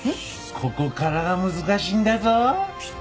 ここからが難しいんだぞ！